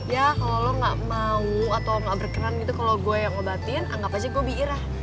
ya kalau lo gak mau atau gak berkenan gitu kalau gue yang obatin anggap aja gue biirah